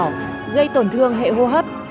gây tổn thương hệ hô hấp